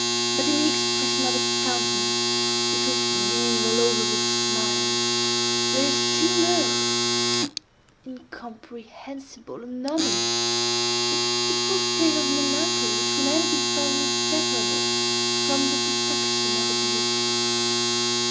But in the expression of the countenance, which was beaming all over with smiles, there still lurked (incomprehensible anomaly!) that fitful stain of melancholy which will ever be found inseparable from the perfection of the beautiful.